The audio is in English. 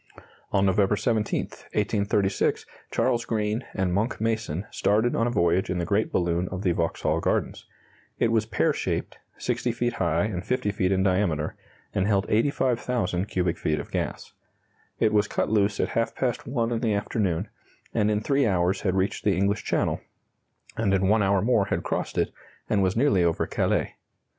On November 17, 1836, Charles Green and Monck Mason started on a voyage in the great balloon of the Vauxhall Gardens. It was pear shaped, 60 feet high and 50 feet in diameter, and held 85,000 cubic feet of gas. It was cut loose at half past one in the afternoon, and in 3 hours had reached the English Channel, and in 1 hour more had crossed it, and was nearly over Calais.